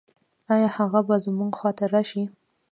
آيا هغه به زموږ خواته راشي؟